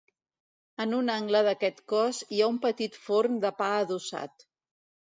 En un angle d'aquest cos hi ha un petit forn de pa adossat.